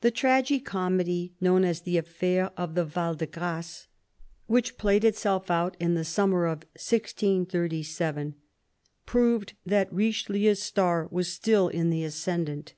The tragi comedy known as " the Affair of the Val de Grace," which played itself out in the summer of 1637, proved that RicheUeu's star was still in the ascendant.